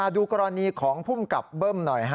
ดูกรณีของภูมิกับเบิ้มหน่อย